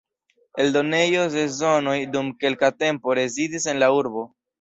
Eldonejo Sezonoj dum kelka tempo rezidis en la urbo.